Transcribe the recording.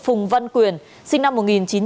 phùng văn quyền sinh năm một nghìn chín trăm tám mươi